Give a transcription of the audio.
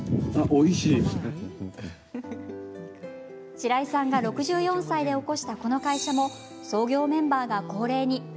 白井さんが６４歳で興したこの会社も創業メンバーが高齢に。